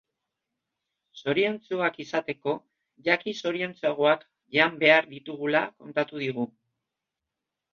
Zoriontsuak izateko jaki zoriontsuagoak jan behar ditugula kontatu digu.